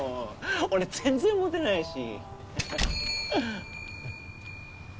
俺全然モテないし。